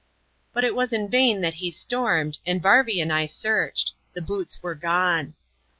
Bat it was in vain that he stormed, and Varvy and I searched ; the boots were gone.